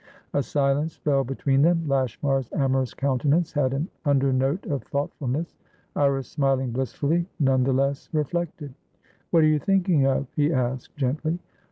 A silence fell between them. Lashmar's amorous countenance had an under note of thoughtfulness; Iris, smiling blissfully, none the less reflected. "What are you thinking of?" he asked, gently.